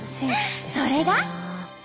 それが。